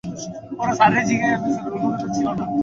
তিনি খেলাধুলা কিংবাা ঘুরাঘুরির ব্যাপারে পারদের মত নিশ্চল ছিলেন ।